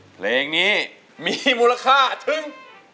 เพลงนี้มีมูลค่าถึง